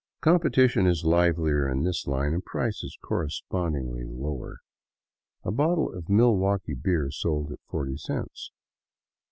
Compe tition is livelier in this Hne, and prices correspondingly lower. A bottle of Milwaukee beer sold at 40 cents.